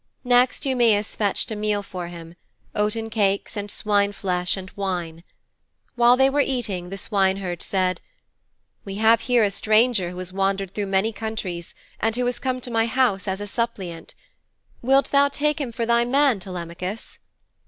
Next Eumæus fetched a meal for him oaten cakes and swine flesh and wine. While they were eating, the swineherd said: 'We have here a stranger who has wandered through many countries, and who has come to my house as a suppliant. Wilt thou take him for thy man, Telemachus?'